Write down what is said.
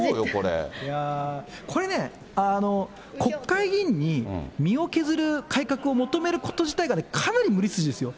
いやぁ、これね、国会議員に身を削る改革を求めること自体がかなり無理筋ですよ。